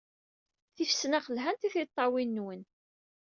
Tifesnax lhant i tiṭṭawin-nwen.